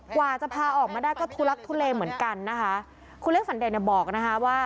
กว่าจะพาออกมาได้ก็ทุลักทุเลเหมือนกันนะคะคุณเล็กสันเดชเนี่ยบอกนะคะว่า